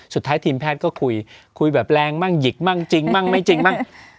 สุดท้ายทีมแพทย์ก็คุยคุยแบบแรงมั่งหยิกมั่งจริงมั่งไม่จริงมั่ง